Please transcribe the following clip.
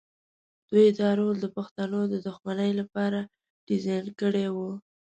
دوی دا رول د پښتنو د دښمنۍ لپاره ډیزاین کړی و.